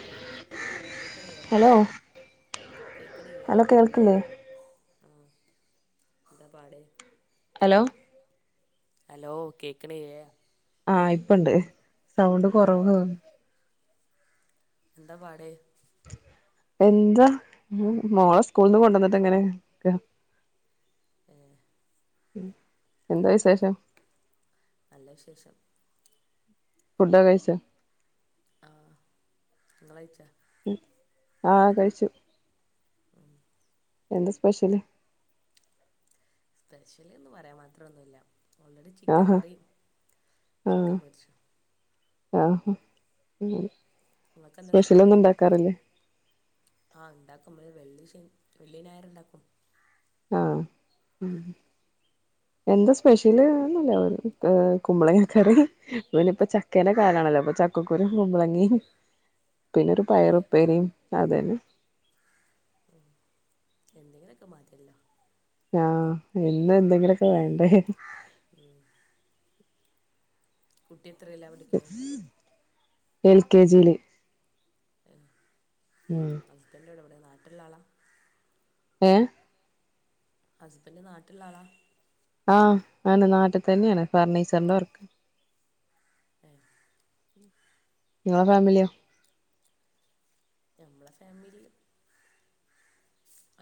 Hello കേക്കണിയേ hello hello കേൾക്കില്ലേ ആ ന്താ പാട് അലോ അലോ കേക്ക്ണ്ല്യേ ആഹ ഇപ്പ ഇണ്ട് സൗണ്ട് എന്താ പാ കുറവ് എന്താ പാട് എന്താ മോളെ സ്കൂൾന്ന് കൊണ്ടന്നട്ട് ങ്ങനെക്കാ ഏ എന്താ വിസേഷം നല്ല വിശേഷം ഫുഡ്ഡക്കെ കൈചാ ആ ഇങ്ങളയിച്ച ഉം ആ കഴിച്ചു എന്താ സ്പെഷ്യല് സ്പെഷ്യല്ന്ന് പറയാമാത്രന്നുല്ല ഓൾറെഡി ചിക്കൻ ആഹാ കറി ചിക്കം പൊരിച്ചു ആ ഹ നിങ്ങൾക്ക് എന്താ സ്പെഷ്യല് സ്പെഷ്യലന്നും ണ്ടാക്കാറില്ലേ ആ ണ്ടാക്കുംമ്മള് വെള്ളി ശനി വെള്ളി ഞായർ ണ്ടാക്കും ആ ഉം എന്താ സ്പെഷ്യല്ന്നുല്ല വെറ്ത കുമ്പളങ്ങക്കറി പിനിപ്പ ചക്കേൻ്റെ ക കാണല്ലോ പ്പൊ ചക്കക്കുരും കുമ്പളങ്ങിം [unintelligible] പിന്നരു ഏ പയറുപ്പേരിം അതന്നെ എന്തെങ്കിലൊക്കെ മതിയല്ലോ ആ പിന്നെ ന്തെങ്കിലൊക്കെ വേണ്ടേ ഉം ട്ടിത്രയേലാ പഠിക്ക്ണേ എൽ കെ ജീല് ഔവ്ട്തന്നെണോ ഇവിടെ നാട്ടിലുള്ള ളാ ഏ ഹസ്ബൻഡ് നാട്ടിൽള്ളളാ ആ ആണ് നാട്ട്തന്നെണ് ഫർണീച്ചർന്റെ വർക്ക് [inaudible] ഇങ്ങളെ ഫാമില്യോ ഞമ്മളെ ഫാമിലി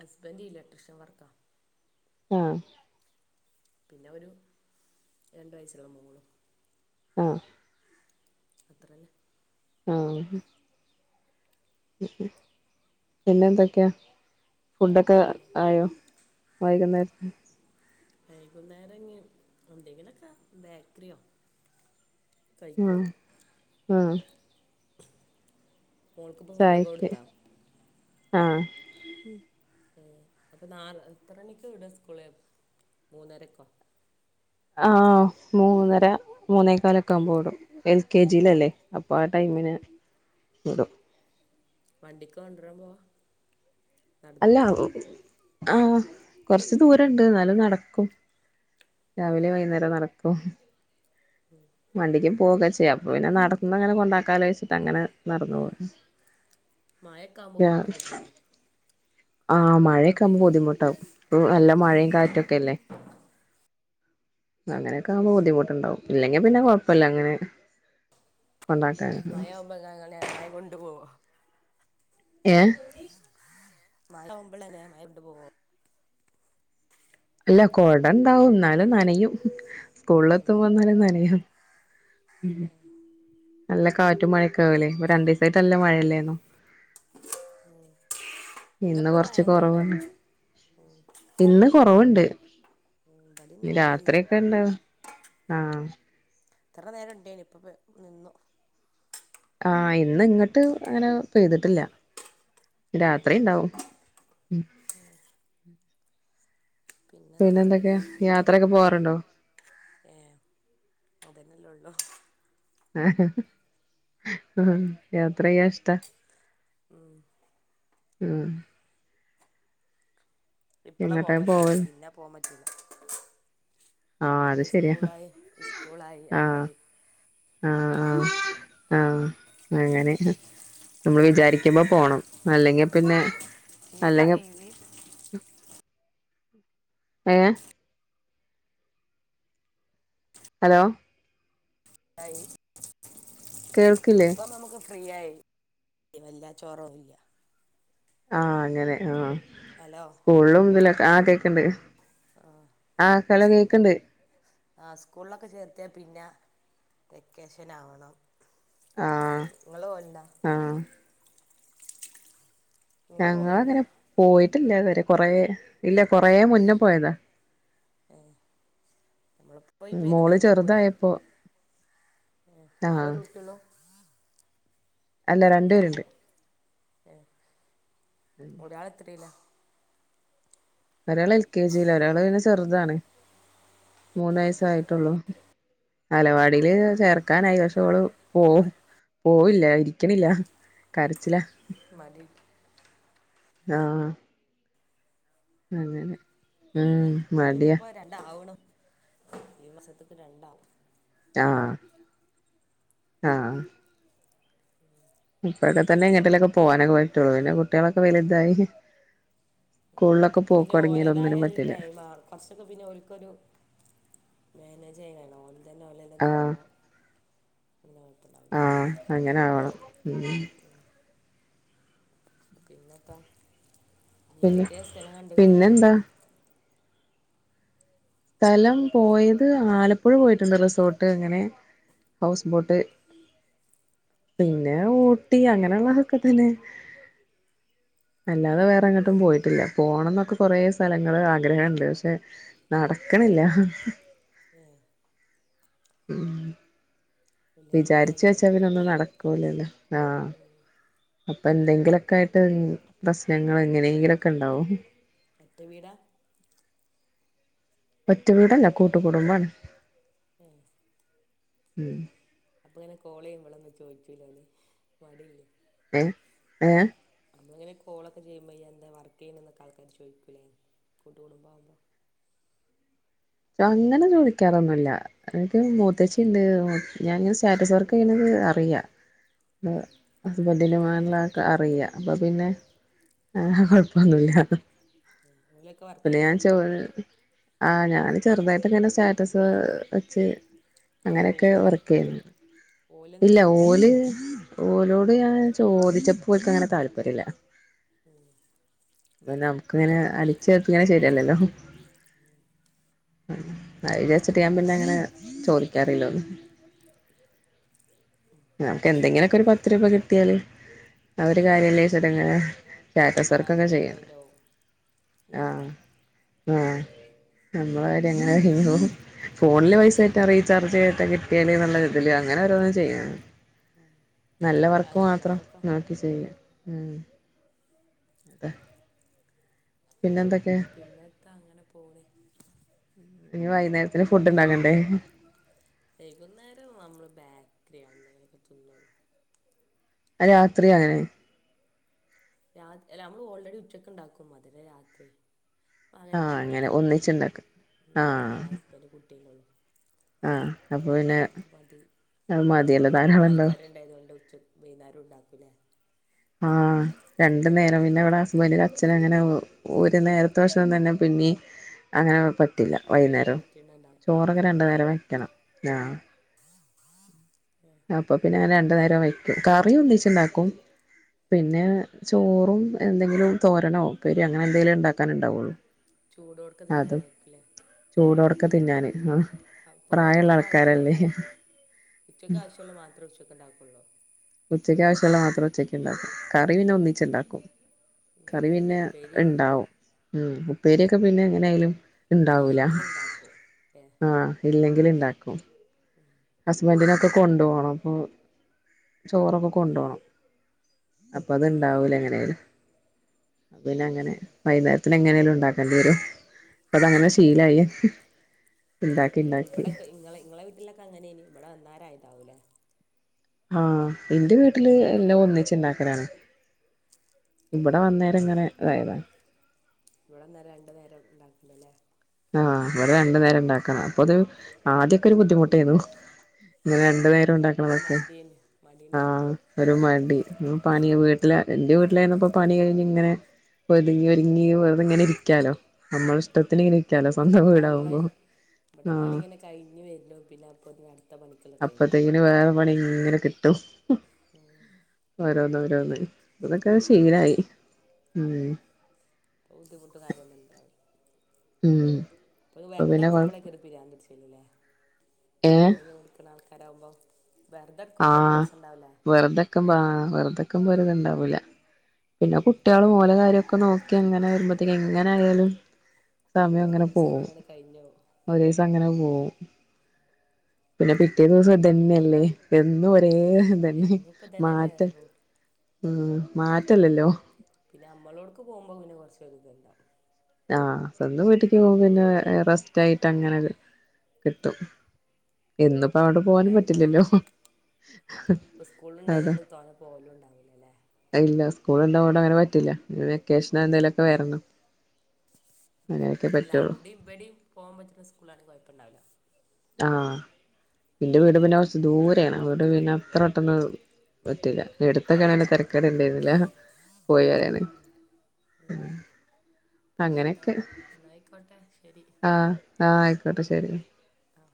ഹസ്ബൻ്റ് ഇലക്ട്രീഷം വർക്കാ ആ പിന്നെ ഒരു രണ്ട് വയസുള്ള മോളും ആ അത്ര തന്നെ ആ [unintelligible] പിന്നെന്തൊക്കെയാ ഫുഡ്ഡക്കെ ആയോ വൈകുന്നേര വൈകുന്നേരംഞ്ഞ് എന്തെങ്കിലൊക്കെ ബേക്ക്രയോ ആ ആ മോൾക്ക്പ്പ ഫുഡ്ഡക്ക കൊട്ത്താ ആ ഏ അപ്പൊ നാൾ എത്ര മണിക്ക് വിട സ്കൂള് മൂന്നരക്കോ ആ മൂന്നര മൂന്നേകാലൊക്കാവുമ്പോടും എൽ കെ ജിലല്ലേ അപ്പൊ ആടൈം മിനെ വിടും വണ്ടിക്കാ കൊണ്ടരാംപോവ അല്ല ആ കൊറച്ച്ദൂരണ്ട് ന്നാലും നടക്കും രാവിലെ വൈകുന്നേരം നടക്കും വണ്ടി ക്യും പോവൊക്കെ ചെയാം പ്പൊ പിന്നെ നടുന്ന്ങ്ങനെ കൊണ്ടാക്കാലോശ്ച്ചിട്ട് അങ്ങനെ നടന്നു പോ മഴയൊക്കെ ആവുമ്പോ ബുദ്ധിമുട്ടാവില്ലേ ആഹ മഴയൊക്കെ ആുമ്പോ ബുദ്ധിമുട്ടാവും നല്ല മഴയും കാറ്റൊക്കെല്ലേ അങ്ങനെയൊക്കെ ആുമ്പോ ബുദ്ധിമുട്ട്ുണ്ടാവും ഇല്ലെങ്കി പിന്നെ കൊഴപ്പില്ല അങ്ങനെ കൊണ്ടാക്കാൻ മഴവുമ്പോ ങ്ങനൊയി കൊണ്ടു പോോവ ഏ മഴ ആവുമ്പോ മഴ കൊണ്ട് പോവോ അല്ല കൊടണ്ടാവും എന്നാലും നനയും സ്കൂളിൽ എത്തുമ്പോ എന്നാലും നനയും നല്ല കാറ്റും മഴക്ക ആവലേ ഇപ്പ രണ്ട ദിവസായിട്ട് നല്ല മഴയില്ലായിന്നോ. ഉം ഇന്ന് കൊറച്ച് കൊറവാണ് ഇന്ന് കൊറവുണ്ട്. ഉം, ഇവിടെ ഇന്ന് മഴ ഇല്ല രാത്രി ഒക്കെ ഇണ്ടാവ ആഹ ഇത്ര നേരം ഉണ്ടായിനി ഇപ്പ നിന്നു ആഹ ഇന്ന് ഇങ്ങോട്ട് അങ്ങനെ പെയ്തിട്ടില്ല. ഏ രാത്രി ഉണ്ടാവും പിന്നെ പിന്നെന്താ എന്തൊക്കെയാ യാത്രയക്കെ പോവാറുണ്ടോ? ള്ളോ ഹഹഹ. യാത്രയ്യാ ഇഷ്ട. ഉ ഉം ഇപ്പളെ എങ്ങട്ടാ പോവാാൻ പറ്റൂ പോവല് പിന്നെ പോവാാൻ പറ്റൂല ആഹ അത് പിന്നെ ശരിയാ സ്കൂളായി സ്കൂളായി ആഹ അതായി ആഹ ആഹ ആഹ അങ്ങനെ നമ്മൾ വിചാരിക്കുമ്പോ പോണം അല്ലെങ്കിൽ പിന്നെ ക്ക ആ ഈ [unintelligible] ഏ ഹലോ [unintelligible] കേൾക്കിലേ. യായി വല്ല ചോറവില്ല ആഹ അങ്ങനെ ആഹ സ്കൂളിലും ഇതിലൊക്കെ ആദ്യൊക്കെണ്ട് ആ സ് ആ സ്കൂളിലൊക്കെ ചേർത്തിയ പിന്നെ വെക്കേഷൻ ആാവണം ആഹ് നിങ്ങൾ പോലോണ്ടോ ആഹ് ഞങ്ങ പോകണ്ട അങ്ങനെ പോയിട്ടില്ല ഇതുവരെ കൊറെ ഇല്ല കൊറ മുന്നേ പോയതാ നമ്മളിപ്പോൾ ഈ മോള് ചെറുതായപ്പോൊ. അവരു വിട്ടുള്ളോ അല്ല രണ്ടുപേരുണ്ട് ഏ, ഒരാളെത്തിയില്ല ഒരാൾ എൽ കെ ജിയില ഒരാൾ പിന്നെ ചെറുതാണ് മൂന്ന വയസായിട്ടുള്ളൂ. അലവാടിൽ ചേർക്കാൻ ഐ വഷോള് പോകവും പോവില്ല ഇരിക്കണില്ല കരച്ചില. മതി ആഹ അതെെ ഉം മടിയാ ഇന്ത്യത്പ്പൊ രണ്ടാവണം ഈ മാസത്തക്ക് രണ്ടാവും ആഹ ആഹ ഇപ്പഴൊക്കെ തന്നെ രണ്ടും എങ്ങീട്ടിലൊക്കെ പോകാനൊക്കെ പറ്റുള്ളൂ പിന്നെ കുട്ടികളൊക്കെ വലുതായി സ്കൂളിലൊക്കെ പോക്ക് പിന്നെ തുടങ്ങിയാൽ ഓലതായ ഒന്നിനും പറ്റില്ല ടൈ കൊറച്ചൊക്കെ പിന്നെ ഒരിക്കരു മാനേജ് ചെയ്യാന ഓല തന്നെ ഓലല്ലന്ന ആഹ് ആാവുമ്പോൾ അ കുഴപ്പമണ്ടാവില്ല ആഹ് അങ്ങനെ ആവണം ഉം പിന്നെതാ...... പിന്നെ പിന്നേന്താ.... സ്ഥലം പോയത് ആലപ്പുഴ പോയിട്ടുണ്ട് റിസോർട്ട് അങ്ങനെ..... ഹൗസ് ബോട്ട് പിന്നെ ഏ ഊട്ടി അങ്ങനെയുള്ളതൊക്കെ തന്നെ അല്ലാതെ വേറെങ്ങട്ടും പോയിട്ടില്ല. പോണംന്നൊക്കെ കൊറേ സ്ഥലങ്ങള് ആഗ്രഹണ്ട് പക്ഷെ നടക്കണില്ല ഉം ഉം വല്യത് കൂടി വിചാരിച്ച് വെച്ചാ കഴിയണ്ടേ പിന്നെ ഒന്നും നടക്കൂലല്ലോ? ആഹ് അപ്പൊ എന്തെ ങ്കിലൊക്കെ ആയിട്ട് പ്രശ്നങ്ങള് എങ്ങനെയെങ്കിലൊക്കെ ഇണ്ടാവും. ഒറ്റ വീടാ ഒറ്റ വീടല്ല കൂട്ട്കുടുംബാണ് ഉം ഉം അപ്പൊ ഇങ്ങനെ കോള് ചെയ്യ്മ്പളൊന്നും ചോദിച്ചൂലെ ഓല്? മടിയില്ലേ? ഏഹ് ഏ? നമ്മളിങ്ങനെ കോളൊക്കെ ചെയുമ്പേ ഇയ്യെന്താ വർക്ക് ചെയ്യ്ന്നേന്നൊക്കെ ആൾക്കാര് ചോയ്ക്കൂലേ കൂട്ടുകുടുംബാവുമ്പോ? അങ്ങനെ ചോദിക്കാറൊന്നുല്ല. എനക്ക് മൂത്തേച്ചിണ്ട്. ഞാന് സ്റ്റാറ്റസ് വർക്ക് ചെയ്യ്ന്നത് അറിയാ. ഹസ്ബന്റ്ന്റെ [unintelligible] അറിയാ. അപ്പപ്പിന്നെ ആഹ് കൊഴപ്പൊന്നുല്ല. ഓലൊക്കെ വർക്ക് പിന്നെ ചെയ്യണ്ട ഞാൻ ചോ ആഹ് ഞാന് ചെറ്തായിട്ട് ഇങ്ങനെ സ്റ്റാറ്റസ് വെച്ച് അതല്ല അങ്ങനെയൊക്കെ ഓല് വർക്ക് ചെയ്യുന്നു. ഇല്ല ഓലെന്തെങ്കിലും ഓല് ഓലോട് ഞാൻ ചോദിച്ചപ്പോ ഓല്ക്കങ്ങനെ താല്പര്യല്ല. ഉം പിന്നെ നമുക്ക്ങ്ങനെ അടിച്ചേപ്പിക്കണെ ശരിയല്ലല്ലോ. അത് വിചാരിച്ചിട്ട് ഞാൻ പിന്നെ അങ്ങനെ ചോദിക്കാറില്ല ഒന്നും. നമുക്ക് എന്തെങ്കിലുമൊക്കെ ഒരു പത്ത് രൂപ കിട്ടിയാല് ആ അതൊരു കാര്യല്ലേന്ന് വെച്ചിട്ടാ ഇങ്ങനെ സ്റ്റാറ്റസ് വർക്ക് നമ്മളാരെങ്കിലും ചെയ്യണേ. കഴിഞ്ഞാവും അല്ലേ ആഹ് ആഹ് നമ്മളെ കാര്യം അങ്ങനെ കഴിഞ്ഞ് പോവും. ഫോണില് പൈസ കേറ്റാ റീചാർജ് കേറ്റാ കിട്ടിയാല്ന്ന്ള്ള ഇതില് അങ്ങനെ ഓരോന്നു ചെയ്യണതാ നല്ല ആ വർക്ക് മാത്രം നമ്മക്കൊക്കെ നോക്കി ചെയ്യുക ഉം. അത പിന്നെത്താ അങ്ങനെ പോണു ഇനി വൈന്നേരത്തിന് ഫുഡ്ഡ്ണ്ടാക്കണ്ടേ? വൈകുന്നേരം നമ്മള് ബാക്കറിയാ അന്നേരൊക്കെ തിന്നൂള്ളു. രാത്രിയു അങ്ങനെ? രാ അല്ല അമ്മള് ഓൾറെഡി ഉച്ചക്ക്ണ്ടാക്കും. അതന്നെ രാത്രി ആകെ ആഹ് അങ്ങനെ രണ്ടാൾക്കാരെ ഇള്ളൂ. ഒന്നിച്ചുണ്ടാക്കും ആഹ് ഞാന്, ഹസ്ബന്റ് കുട്ടിയല്ലെ ഉള്ളു. ആഹ് അപ്പൊ പിന്നെ മ നിങ്ങള് പിന്നെ കൊറേ ആൾക്കാര്ണ്ടായത് കൊണ്ട് ഉച്ചക്ക് വൈന്നേരോം ഇണ്ടാക്കൂലേ? ആഹ് രണ്ട് നേരം. പിന്നെ ഇവിടെ ഹസ്ബന്റിന്റെ അച്ഛനങ്ങനെ ഒരു നേരത്തെ ഭക്ഷണം തന്നെ പി ന്നെയും അങ്ങനെ പറ്റില്ല. വൈകുന്നേരം മറ്റേണ്ണ ഉണ്ടാവും ചോറൊക്കെ രണ്ടു നേരം വയ്ക്കണം. ആഹ് ഏഹ്. അപ്പൊ പിന്നെ ഞാൻ രണ്ടു നേരോം വയ്ക്കും. കറി ഒന്നിച്ച്ണ്ടാക്കും. പിന്നെ ചോറും എന്തെങ്കിലും തോരനോ ഉപ്പേരി അങ്ങനെ എന്തേലും ഇണ്ടാക്കാനേ ഇണ്ടാവുള്ളൂ. ചൂടോടൊക്കെ അതെ. തിന്നാനായിരിക്കില്ലേ ചൂടോടെക്കെ തിന്നാന്. ആഹ്. അപ്പം നിങ്ങൾ പ്രായള്ള ഉച്ചക്ക് ആവശ്യമുള്ള ആൾക്കാരല്ലേ? ഉച്ചക്ക് ആവശ്യ, ള്ള മാത്രേ ഉച്ചക്കിണ്ടാക്കൊള്ളൂ ഇണ്ടാക്കും കറിപിന്നെ ഒന്നിച്ചെണ്ടാക്കും ഉം പിന്നെ കറിപിന്നെ ഉപ്പേരി എണ്ടാവും ഉം ഉപ്പേരിയൊക്കെ പിന്നെ എങ്ങനായാലും ഇണ്ടാവൂല. ഇല്ലെങ്കിൽ ഉണ്ടാക്കും ഏ ആ ഇല്ലെ ങ്കില്ണ്ടാക്കും. ഹസ്ബൻഡിനൊക്കെ കൊണ്ടു പോണം അപ്പൊ ചോറൊക്കെ കൊണ്ടു പോണം അപ്പൊ അത് ഏ ഇണ്ടാവൂല അങ്ങനെയില് അത് പിന്നെങ്ങനെ വൈന്നേരത്തിന് എങ്ങനേലും ഉണ്ടാക്കേണ്ടി വരും. ഇപ്പതങ്ങനെ ശീലായി ഇണ്ടാക്കി ഇണ്ടാക്കി ഇവിടെയൊക്കെ ഇങ്ങളെ ഇങ്ങളെ വീട്ടിലൊക്കെ അങ്ങനെയാണ് ഇവിടെ അന്നേരയതാവൂലെ ആ എന്റെ വീട്ടില് എല്ലാം ഒന്നിച്ചിണ്ടാക്കലാണ്. ഇവിടെ ആഹ് വന്നേരിങ്ങനെ ഇതായതാണ് ഇവിടന്നേരം രണ്ടു നേരം ഇണ്ടാക്കലല്ലേ ആ ഇവിടെ രണ്ടു നേരം ഇണ്ടാക്കണം അപ്പൊത് ആദ്യൊക്കെ ഒരു ബുദ്ധിമുട്ടായിരുന്നു. ഇങ്ങനെ ഉം രണ്ടു നേരം ഒരു ഇണ്ടാക്കണതൊക്കെ മടിയന് ആ മടിണ്ടാവും ഒരു മടി പണി വീട്ടില് എന്റെ വീട്ടിലായിരുന്നപ്പോ പണി കഴിഞ്ഞിങ്ങനെ ഒതുങ്ങി ഒരുങ്ങി വെറുതെ ഇങ്ങനെ ഇരിക്കാലോ നമ്മള ഇഷ്ടത്തിന് ഇങ്ങനെ ഇരിക്കാലോ സ്വന്തം ഇവിടെ നമ്മളെ വീടാവുമ്പോ ഇവിടെ പണി ആഹ് ഇങ്ങനെ കഴിഞ്ഞ് വരുന്നു. പിന്നെ അപ്പ ഇനി അടുത്ത പണിക്കെള്ള ടൈം ആയി. അപ്പത്തേക്കിന് വേറെ പണി ഇങ്ങനെ കിട്ടും ഓരോന്ന് ഓരോന്ന് അതൊക്കെ പിന്നെ ഇപ്പപ്പോ ശീലായി ഉം ഇപ്പൊ ബുദ്ധിമുട്ടും കാര്യൊന്നും ഇണ്ടാവൂല്ല ഉം ഇപ്പൊക്കെ അപ്പൊ വെറുതെ പിന്നെ കൊഴ ഇരിക്കുമ്പളായിരിക്കും ഒര് പ്രാന്ത് പിടിച്ചിനു അല്ലെ ഏഹ് പണി ഇങ്ങനെ വിൽക്കണ ആൾക്കാരാവുമ്പോ വെറുതെ ആ എടുക്കുമ്പോ ഒരു രസം ഉണ്ടാവില്ല വെറുതെക്കുമ്പൊ ആ വെറുതെക്കുമ്പൊ ഒരിതെണ്ടാവൂല്ല പിന്നെ കുട്ടികള് ഓല കാര്യൊക്കെ നോക്കി അങ്ങനെ വരുമ്പോത്തേക്കും എങ്ങനെ ആയാലും സമയം അങ്ങനെ ഒരീസം പോകും അങ്ങനെയാണ് കഴിഞ്ഞു പോവും. ഒരു ദിവസം അങ്ങനെ പോവും പിന്നെ പിറ്റേ ദിവസം ഇതന്നെയല്ലേ എന്നും ഒ രേ ഇതന്നെ എന്നും ഇപ്പ ഇതന്നെല്ലേ മാറ്റം റൂട്ട് ഉം മാറ്റവില്ലല്ലോ പിന്നെ നമ്മളോടക്ക് പോകുമ്പോ പിന്നെ കുറച്ച് ഒര് ഇതെണ്ടാവും ആഹ് സ്ന്തം വീട്ടിക്ക് പോകുമ്പോ പിന്നെ പോകുമ്പോ റെസ്റ്റ് ആയിട്ട് അങ്ങനെ കിട്ടും ഇന്നിപ്പോ അവിടെ പോവാനും അതാ പറ്റില്ലല്ലോ ഇപ്പൊ അതാ സ്കൂളിണ്ടായതുകൊണ്ട് തോനെ പോവലും ഇണ്ടാവൂലാല്ലേ സ്കൂള് ഇണ്ടത്കൊണ്ട് അങ്ങനെ പറ്റില്ല പിന്ന വെക്കേഷന് എന്തേലൊക്കെ വരണം അങ്ങനെയൊക്കെ അല്ല പറ്റുള്ളൂ അവിടെയും ഇവിടെയും പോവാൻ പറ്റുന്ന സ്കൂളാണെ കൊഴപ്പെണ്ടാവില്ല ആ ഇന്റെ വീട് പിന്നെ കുറച്ച് ദൂരെയാണ് അതുകൊണ്ട് പിന്ന അത്ര പെട്ടെന്ന് പറ്റില്ല എടുത്തൊക്കാണെങ്കിൽ തരക്കേടെണ്ടായിരുന്നില്ല പോയി വരാന്‌ ഇം പിന്നെന്താ അങ്ങനെയൊക്കെ എന്നായിക്കോട്ടെ ശരി ആ ആ ആയിക്കോട്ടെ ശരി ആ